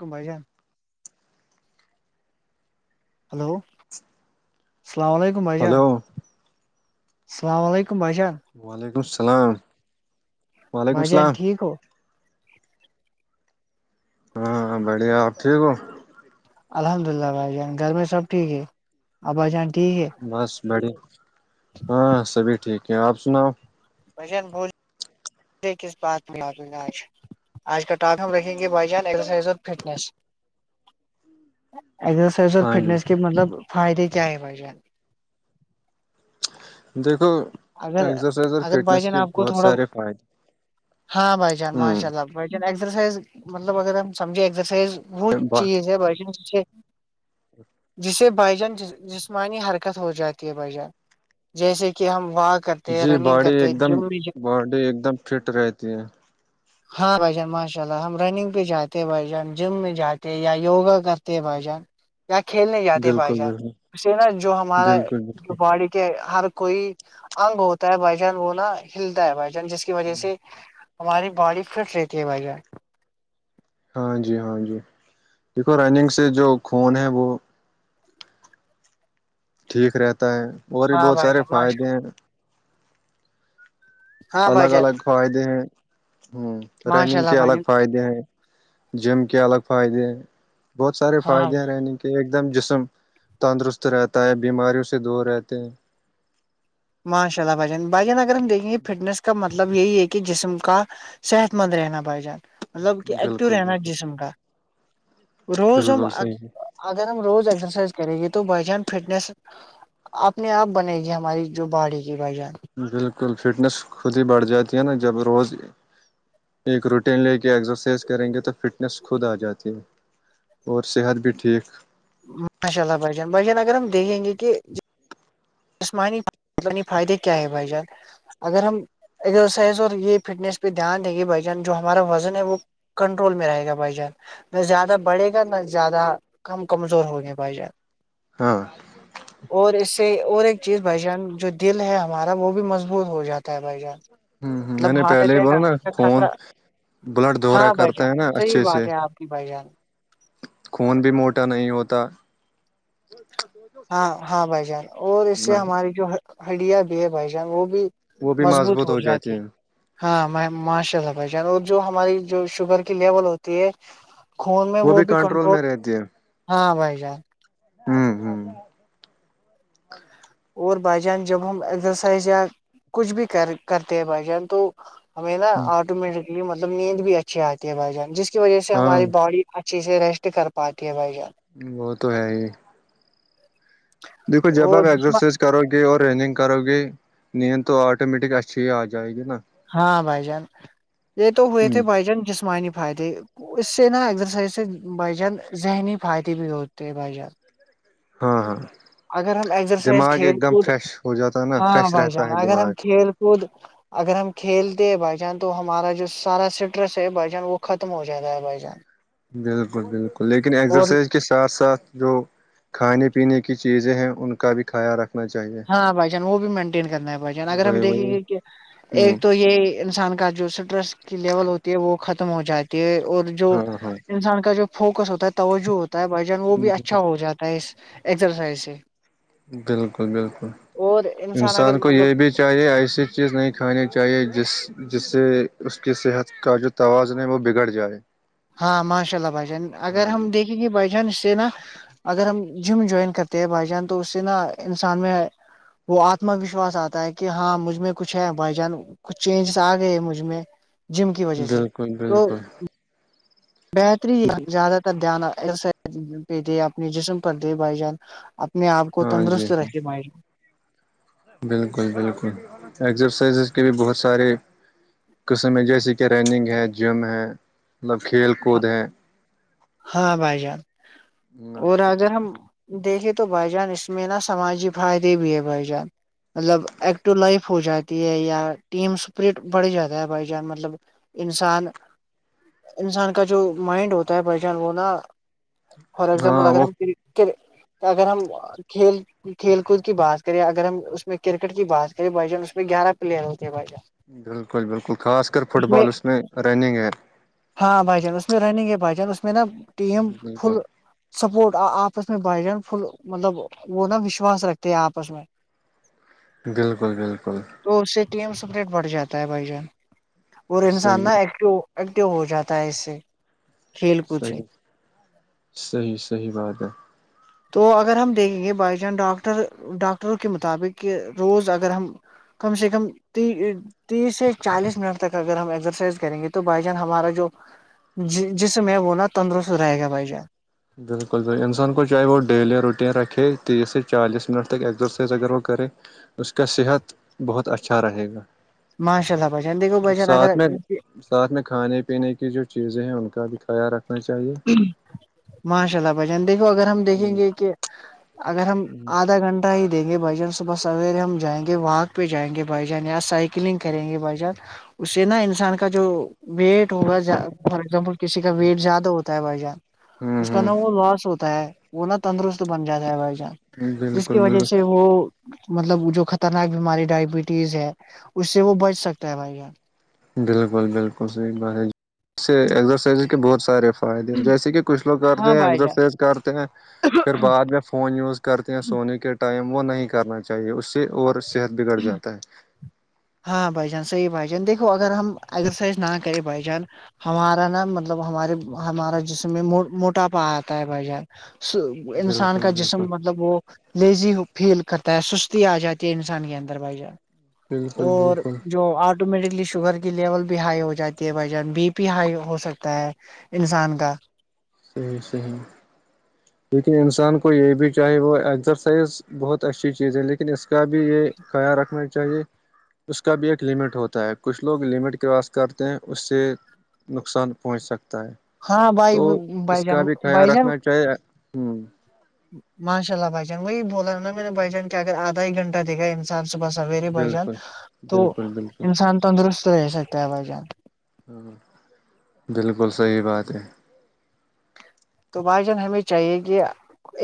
گبائیاان hello [inaudible] السلام علیکم بادشا ہلو السلام علیکم بادشا وعلیکم السلام وعلیکم ماں جان السلام ٹھیک ہو ہاں بڑھیا آپ ٹھیک ہو الحمد اللہ بھائی جان گھر میں سب ٹھیک ہے اب بھائی جان ٹھیک ہے بس بڑی ہاں سبھی ٹھیک ہیں آپ سناؤ بجن بھول کس بات میں آپے گا آج آج کا ٹاک ہم رکھیں گے بھائی جان ایکرسائز فٹ ایکسرسائز اور ہاں جی فٹنس کے مطلب فائدے کیا ہے بائی دیکھو اگر ازرسائز اور اگر بائی فٹنس جان کے آپ کو بہت تھوڑا سارے فائدے ہاں بھائی جان ماشا اللہ رسائز مطلب اگر ہم سمجھےرسائز وہ ہ چیز ہے [inaudible] جسے بائیجان جسمانی حرکت ہو جاتی ہے بھائیجان جیسے کہ ہم واک کرتے ہیں جی رننگ باڈی کرتے ایک ہیں دم جم میں باڈی ایک دم فٹ رہتی ہے ہاں بھائی جان ماشاء اللہ ہم رننگ پہ جاتے ہیں بھائی جان جم میں جاتے یا یوگا کرتے بھ جان کھیلنے جاتے بھائی بالکل جان بالکل اسے نا جو ہمارا بالکل بالکل باڈی کے ہر کوئی اگ ہوتا ہے بھائی جان وہ نا ہلتا ہے بھائی جان جس کی وجہ سے ہماری باڈی فٹ رہتی ہے بھائی جان ہاں جی ہاں جی دیکھو رننگ سے جو خون ہے وہ ٹھیک رہتا ہے اور بھی ہاں بہت بھائی سارے جان ماشاء فائدے ہیں ہاں بھائی الگ الگ جان فائدے ہیں ہ ماشاء رننگ اللہ کے بھائی الگ جان فائدے ہیں جم کے الگ فائدے ہیں بہت سارے ہاں فائدے ہیں رننگ کے کہ ایک دم جسم تندرست رہتا ہے بیماریوں سے دور رہتے ہیں ماشاء اللہ بھجن بھجان اگر ہم دیکھیں گ فٹنس کا مطلب مطلب یہی ہے کہ جسم کا صحت مند رہنا بھائی جان مطلب کہ ایکٹیو بالکل رہنا بالکل جسم کا روز ہم بالکل صحیح اگر ہم روز ایکسرسائز کریں گے تو بائی جان فٹنیس اپنے آپ بنے گی ہماری جو باڑی کی وجہ بالکل فٹنس خود ہی بڑھ جاتی ہے نا جب روز ایک روٹین لے کے ایکسرسائز کریں گے تو فٹنس خود آ جاتی ہے اور صحت بھی ٹھیک ماشاء اللہ بھشان بھائیان اگر ہم دیکھیں گے کہ جسمانی م فائدے کیا ہے بھائی جان اگر ہم ازرسائز اور یہ فٹنس پہ دھیان دیں گے بھائی جان جو ہمارا وزن ہے وہ کنٹرول میں رہے گا بھائی جان نہ زیادہ بڑھے گا نہ زیادہ کم کمزور ہو گے بھائی جان ہاں ہ اور اسے اور ایک چیز بھائی جان جو دل ہے ہمارا وہ بھی مضبوط ہو جاتا ہے بھائی جان ہ ہ میں مطلب نے ہارٹ پہلے ہی اٹیک بلاو نا آنے کا خون خطرہ بلڈ دہرا ہاں بھائی کرتا ہے جان نا صحیح اچھے سے بات ہے آپ کی بھائی جان خون بھی موٹا نہیں ہوتا ہاں ہاں بھائی جان اور اس سے ہماری جو ہڈیا بھی ہے بھائی جان وہ بھی وہ بھی مضبوط ہو جات جاتی ت ہے ہاں ماشاء اللہ بھائی جان اور جو ہماری جو شوگر کی لیول ہوتی ہے خون میں وہ بھی کنٹرول ہاں بھائی جان ہوں ہوں اور بائی جان جب ہم ایکزرسائز یا کچھ بھی کر کرتے ہیں بائی جان تو ہمیں نا ہ آٹومیٹیکلی مطلب نیند بھی اچھی آتی ہے بھائی جان جس کی وجہ سے ہاں ہماری باڈی اچھی سے ریسٹ کر پاتی ہے بھائی جان وہ تو ہے ہی دیکو ج اور بابپ ایکسرسائز کرو گے اور رننگ کرو گے نیند تو آٹومیٹک اچھی ہی آ جائے گی نا ہاں بھائی جان یہ تو ہوئے ہ تھے بھائی جان جسمانی فائدے اس سے نا ایگزرسائز سے بائی جان ذہنی فائدے بھی ہوتے ہے بائی جان ہاں ہاں اگر ہم ایگزرسائز دماغ کھیل ایک دم کود فریش ہو جاتا ہے نا ہاں فریش بھائی رہتا جان ہے اگر ہم دماغ کھیل کود اگر ہم کھیلتے ہیں بھائی جان تو ہمارا جو سارا اسٹریس ہے بھائی جان وہ ختم ہو جاتا ہے بھائی جان بالکل بالکل لیکن اور ایگزرسائز اس کے ساتھ ساتھ جو کھانے پینے کی چیزیں ہیں ان کا بھی خیال رکھ نا چاہیے ہاں بھائی جان وہ بھی مینٹین کرنا ہے بھائی جان اگر ہم وہی دیکیں وہی گے کہ ہ ایک تو یہ انسان کا جوس اسٹرس کی لیول ہوتی ہے وہ ختم ہو جاتی ہے اور جو ہاں ہاں انسان کا جو فوکس ہوتا ہے توجہ ہوتا ہے بھائی جان وہ بھی اچھا ہو جاتا ہے اس ایکسرسائز سے بالکل بالکل اور اگر انسان کو مطلب یہ بھی چاہے ایسی چیز نہیں کھانی چاہیے جس جس سے اس کی صحت کا جو توازن ہے وہ بگڑ جائے ہاں ماشاء اللہ بھائی جان اگر ہاں جی ہم دیکھیں گے بھائی جان اس سے نا اگر ہم جم جوائن کرتے ہیں بھائی جان تو اس سے نا انسان میں وہ آتم وشواس آتا ہے کہ ہاں مجھ میں کچھ ہے بھائی جان کچھ چینجز آ گئے مجھ میں جم کی وجہ سے بالکل تو بالکل بہتری زیادہ تر دھیانہ دے اپنے جسم پر دے بھائی جان اپنے آپ کو ہاں جی تندرست رکھے بھائ جان بالکل بالکل ایکسرسائزز کے بھی بہت سارے قسمیں جیسے کہ رننگ ہے جم ہے مطلب کھیل کود ہے ہاں بھائی جان اور اگر ہم دیکھیے تو بھائی جان اس میں نا سماجی فائدے بھی ہے بھائی جان مطلب ایکٹو لائف ہو جاتی ہے یا ٹیمسپرٹ بڑ جاتا ہے بھائی چان مطلب انسان انسان کا جو مائنڈ ہوتا ہے جان نا فار ایگزامپل ہاں اگر وہ ہم کر اگر ہم کھیل کھیل کود کی بات کرے اگر ہم اس میں کرکٹ کی بات کریں بھائی جان اس میں گیارہ پلیئر ہوتے ہیں بھائی جان بالکل بالکل خاص کر فٹ بال اس میں رننگ ہے ہاں بھائی جان اس میں رننگ ہے بھائی جان اس میں نا ٹیم بالکل فل سپورٹ آپس میں بھائی جان فل مطلب وہ نا وشواس رکھتے ہیں آپس میں [inaudible] بالکل بالکل تو اس سے ٹی ایم سپریٹ بڑھ جاتا ہے بھائی جان اور انسان صحیح نا ایکٹو ایکٹیو ہو جاتا ہے اس سے کود سے صحیح صحیح صحیح بات ہے تو اگر ہم دیکھیں گے بھائی چان ڈاکٹر ڈاکٹروں کے مطابق کہ روز اگر ہم کم سے کم ت تیس سے چالیس منٹ تک اگر ہم ایکسرسائز کریں گے تو بھائی جان ہمارا جو ج جسم ہیں وہ نا تندرست رہے گا بھائی جان بالکل انسان کو چاہے وہ ڈیلی روٹین رکھے تیس سے چالیس منٹ تک ایکزرسائز اگر وہ کرے اس کا صحت بہت اچھا رہے گا ماشاء اللہ بھای جان چن دیکھوں بھائی جان اگر ساتھ میں ساتھ میں کھانے پینے کی جو چیزیں ہیں ان کا بھی خیال رکھنا چاہیے ماشاء اللہ بھ جان دیکھو اگر ہم دیکھیں ہوں گے کہ اگر ہم ہ آدھا گھنٹہ اٹھائی دیں گے بھ جان صبح سویرے ہم جائیں گے واک پہ جائیں گے بھائی جان یا سائیکلنگ کریں گے بھائی جان اس سے نا انسان کا جو ویٹ ہوگا فار ایزامپل کسی کا ویٹ زیادہ ہوتا ہے بھائی جان ہوں اس کا ہوں نا وہ لاس ہوتا ہے وہ نا تندرست بن جاتا ہے بھائی جان جس بالکل کی وجہ بالکل سے وہ مطلب جو خطرناک بیماری ڈائبٹیز ہے اس سے وہ بچ سکتا ہے بھائی جان بالکل بالکل صحیح بات ہے سےرسائزز کے بہت سارے فائدے جیسے کہ کچھ لوگ ہاں کرتے ہیں بھائی ایکسرسائز کرتے ہیں پھر بعد میں فون یوز کرتے ہیں جان سونے کے ٹائم وہ نہیں کرنا چاہیے اس سے اور صحت بگڑ جاتا ہے ہاں بھائی جان صحی بائی جان دیکو اگر ہم ایکگزرسائز نہ کریں بھائی جان ہمارا نا مطلب ہمارے ہمارا جسم میں موٹاپا آتا ہے بھائی جان ہے انسان بالکل کا بالکل جسم مطلب وہ لیزی فیل کرتا ہے سستی آ جاتی ہے انسان کے اندر بھای جان بالکل اورر بالکل جو آ آٹومیٹلی شوگر کی لیول بھی ہائی ہو جاتی ہے بھ جان بی پی ہائی ہو سکتا ہے انسان کا صحیح صحیح کیکن انسان کو یہ بھی چاہے وہ ایکسرسائز بہت اچھی چیز ہے لیکن اس کا بھی یہ خیال رکھنا چاہیے اس کا بھی ایک لمٹ ہوتا ہے کچھ لوگ لمٹ کرواس کرتے ہیں اس سے نقصان پہنچ سکتا ہے ہاں بھائی تو بائی اس کا جان بھی خیال بائی جان رکھنا چاہیے ہوں ماشاء اللہ بھائی جان وہی بولا نا میں نے بائی جان کیا اگردھا ہی گھنٹ دھا انسان صبح سویرے بھ جان بالکل تو بالکل بالکل انسان تندرست رہ سکتا ہے بائی جان ہ بالکل صحیح بات ہے تو بھائی جان ہمیں چاہیے کہ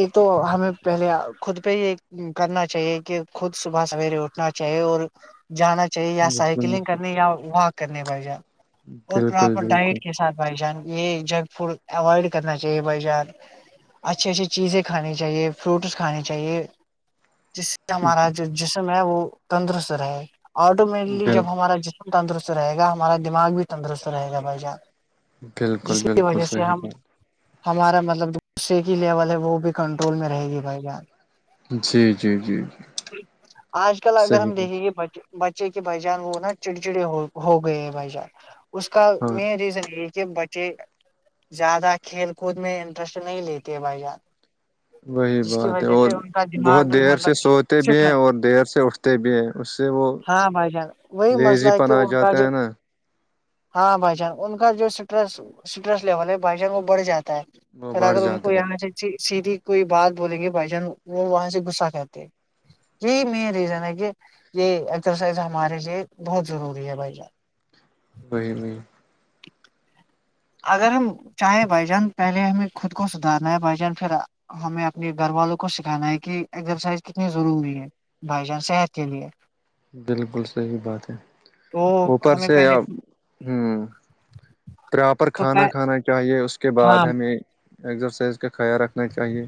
ایک تو ہمیں پہلے خود پہ یہ کرنا چاہیے کہ خود صبح سویرے اٹھ نا چاہیے اور جانا چاہیے یا بالکل سائکلنگ کرنی یا واک کرنے بائی جان اور بالکل پراپر ڈائٹ بالکل کے ساتھ بھائی جان یہ جنک فوڈ اوائڈ کرنا چاہیے بھائی جان اچھی اچھی چیزیں کھانی چاہیے فروٹس کھے چاہیے جس ہمارا جو جسم ہے وہ تندرست رہے آٹومیٹلی بال جب ہمارا ج تندرست رہے گا ہمارا دماغ بھی تندرست رہے گا بھائی جان بالکل جس کی بالکل وجہ سے صحیح ہم بات ہمارا مطلب جو صے کی لیول ہے وہ بھی کنٹرول میں رہے گی بھائی جان جی جی جی آج کل اگر صحیح ہم دیکھیں بات گے بچ بچے کے بھ جان وہ نا چڑچڑی ہو ہو گئے بھ جان اس کا ہاں مین ریزن یہ کہ بچے زیادہ کھیل کود میں انٹرسٹ نہیں لیتے بھائی جان وہی جس کی بات ہے وجہ اور سے ان کا دماغ بہت بھی دیر سے مطلب سوتے بھی فٹ ہیں ہے اور دیر سے اٹھتے بھی ہیں اس سے وہ ہاں بھائی جان وہی مسئلہ لیزی ہے پن کہ آ ان کا جاتا ہے جوب نا ہاں بھائی جان ان کا جو اسٹریس اسٹریس لیول ہے بھائی جان وہ بڑھ جاتا ہے وہ پھر بڑھ اگر ان کو یہ جاتا ہے آنا چاہیے سیدھی کوئی بات بولیں گے بھائی جان وہ وہاں سے گغسہ کرتے یہی مین ریزن ہے کہ یہ ایکسرسائز ہمارے لیے بہت ضروری ہے بھائی جان بہی م [unintelligible] اگر ہم چاہیں بھ جان پہلے ہمیں خود کو سدھارنا ہے بائی جان پھر ہمیں اپنے گھر والوں کو سکھانا ہے کہ ایکزرسائز کتنی ضروری ہے بھائی جان صحت کے لیے بالکل صحیح بات ہے تو اوپر ہمیں سے پہلے ہ پراپر تو کھانا کھانا چاہیے اس کے بعد ہاں ہمیں ایکزرسائز کا خیال رکھنا چاہیے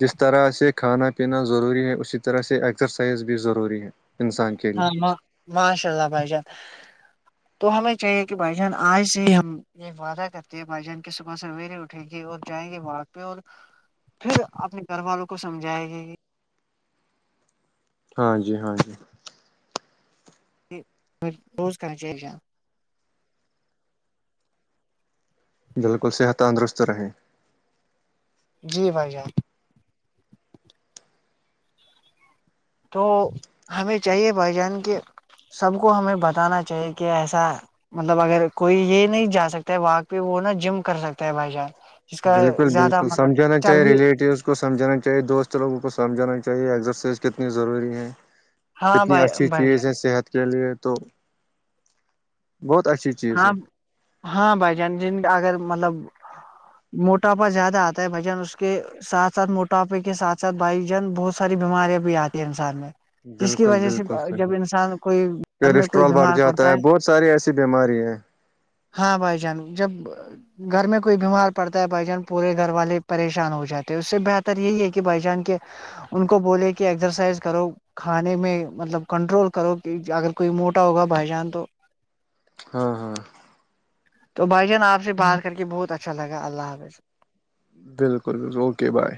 جس طرح سے کھانا پینا ضروری ہے اسی طرح سے ایکسرسائز بھی ضروری ہے انسان کے ہاں لیے ماشاءلہ بای جن تو ہمیں چاہیے کہ بھائی جان آج سے ہی ہم یہ وعدہ کرتے ہیں بھائی جان کی صبح سویرے اٹھیں گے اور جائیں گے باڑ پہ اور پھر اپنے گھر والوں کو سمجھائے گی ہاں جی ہاں جی روز کر چاہ جاں بالکل صحت تندرست رہیں جی بھائی جان تو ہمیں چاہیے بھائی جان کے سب کو ہمیں بتانا چاہیے کہ ایسا مطلب اگر کوئی یہ نہیں جا سکتا ہے و پہ وہ نا جم کر سکتا ہے بائی چان بالکل بالکل سمجھانا چاہے ریلیٹیوز اس کو سمجھانا چاہیے دوست لوگوں کو سمجھانا چاہیے ایکسرسائز کتنی ضروری ہے ہاں اتنی بھائی اچھی بھائی چیز جان ہے صحت کے لیے تو بہت اچھی چیز ہاں ہے ہاں بھائی جان جن اگر مطلب موٹاپا زیادہ آتا ہے بھائی جان اس کے ساتھ ساتھ موٹاپے کے ساتھ ساتھ بھائی جان بہت ساری بیماریاں بھی آتی ہیں انسان میں جس کی بالکل وجہ سے بالکل صحیح جب انسان کو گھر میں کوئی کولیسٹرول بڑھ بیمار جاتا پڑتا ہے بہت ساری ایسی بیماری ہیں ہاں بھائی جان جب گھر میں کوئی بیمار پڑتا ہے بھائی جان پورے گھر والے پریشان ہو جاتے ہیں اس سے بہتر یہی ہے کہ بھائی جان کے ان کو بولے کہ ایکسرسائز کرو کھانے میں مطلب کنٹرول کرو کہ اگر کوئی موٹا ہوگا بھائی جان تو ہاں ہاں تو بھائی جان آپ سے بات کر کے بہت اچھا لگا اللہ حاظ بالکل بالکل اوکے بھائی